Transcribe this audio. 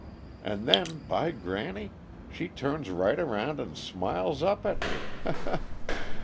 And then, by granny! she turns right around and smiles up at me _he he!